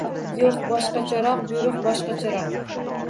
— Yo‘q, boshqacharoq buyruq, boshqacharoq...